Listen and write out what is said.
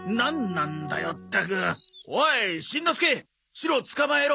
シロつかまえろ。